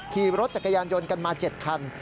ขี่รถจักรยานยนต์กันมา๗คัน